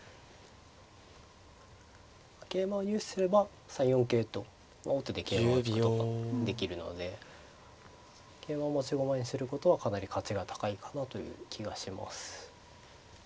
桂馬を入手すれば３四桂と王手で桂馬打ちとかできるので桂馬を持ち駒にすることはかなり価値が高いかなという気がします。